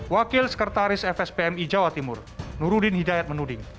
wakil sekretaris fspmi jawa timur nurudin hidayat menuding